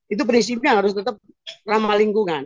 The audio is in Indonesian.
itu prinsipnya harus tetap ramah lingkungan